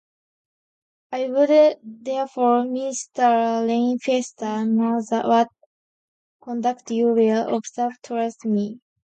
I would therefore, Mr. Lainfiesta, know what conduct you will observe towards me.